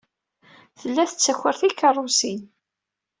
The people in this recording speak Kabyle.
Tella tettaker tikeṛṛusin.